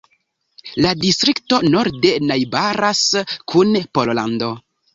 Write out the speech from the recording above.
La distrikto norde najbaras kun Pollando.